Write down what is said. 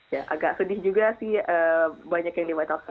ya agak sedih juga sih banyak yang dibatalkan